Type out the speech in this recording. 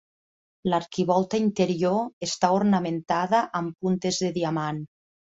L'arquivolta interior està ornamentada amb puntes de diamant.